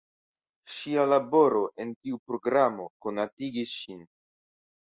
Ŝia laboro en tiu programo konatigis ŝin.